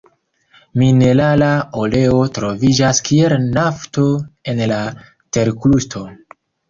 Minerala oleo troviĝas kiel nafto en la terkrusto.